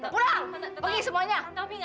pulang pergi semuanya